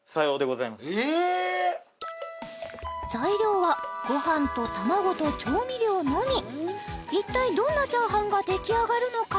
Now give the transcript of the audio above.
材料はご飯とたまごと調味料のみ一体どんなチャーハンが出来上がるのか？